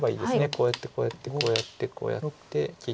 こうやってこうやってこうやってこうやって切って。